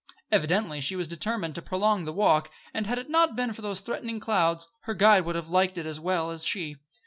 Evidently she was determined to prolong the walk, and, had it not been for those threatening clouds, her guide would have liked it as well as she.